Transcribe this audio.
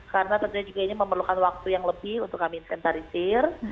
karena tentunya juga ini memerlukan waktu yang lebih untuk kami inventarisir